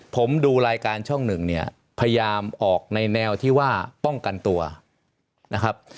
ผมดูรายการช่องหนึ่งเนี่ยพยายามออกในแนวที่ว่าป้องกันตัวนะครับ